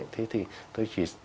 thế thì tôi chỉ